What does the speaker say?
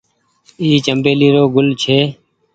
اي چمبيلي رو گل ڇي۔